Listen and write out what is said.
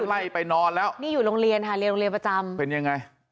ไล่ไปนอนแล้วนี่อยู่โรงเรียนค่ะเรียนโรงเรียนประจำเป็นยังไง